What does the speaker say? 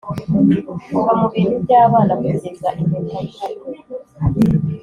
kuva mubintu byabana, kugeza impeta yubukwe;